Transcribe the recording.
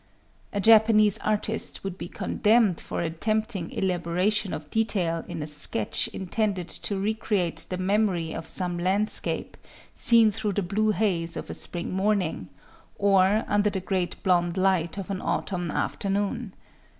A Japanese artist would be condemned for attempting elaboration of detail in a sketch intended to recreate the memory of some landscape seen through the blue haze of a spring morning, or under the great blond light of an autumn after noon.